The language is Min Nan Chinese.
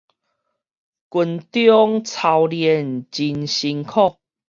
軍中操練真辛苦